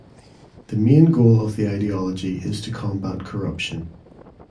The main goal of the ideology is to combat corruption.